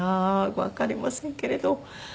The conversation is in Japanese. わかりませんけれど。